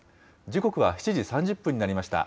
時刻は７時３０分になりました。